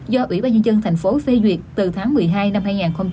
do ủy ban nhân dân thành phố phê duyệt từ tháng một mươi hai năm hai nghìn một mươi chín